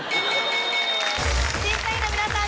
審査員の皆さん